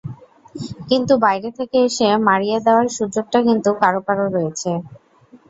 কিন্তু বাইরে থেকে এসে মাড়িয়ে দেওয়ার সুযোগটা কিন্তু কারও কারও রয়েছে।